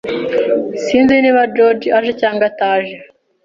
Sinzi niba George aje cyangwa ataje.